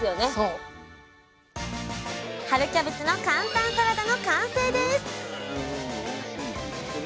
「春キャベツの簡単サラダ」の完成です！